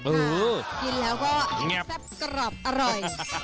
กินแล้วก็แซ่บกรอบอร่อย